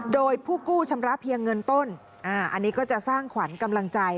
โดยผู้กู้ชำระเพียงเงินต้นอันนี้ก็จะสร้างขวัญกำลังใจ